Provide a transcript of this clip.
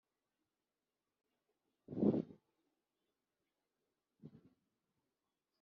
mpitira: ku nti z’amacumu zikomeye cyane kubera ko zimaze igihe, zitadigadiga